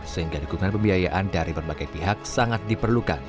sehingga dukungan pembiayaan dari berbagai pihak sangat diperlukan